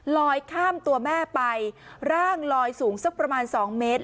ลอยข้ามตัวแม่ไปร่างลอยสูงสักประมาณ๒เมตร